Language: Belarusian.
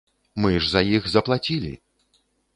Мы ж за іх заплацілі.